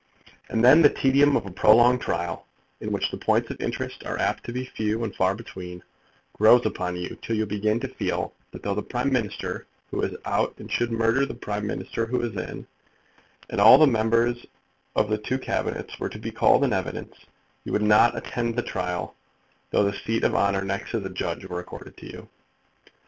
And then the tedium of a prolonged trial, in which the points of interest are apt to be few and far between, grows upon you till you begin to feel that though the Prime Minister who is out should murder the Prime Minister who is in, and all the members of the two Cabinets were to be called in evidence, you would not attend the trial, though the seat of honour next to the judge were accorded to you.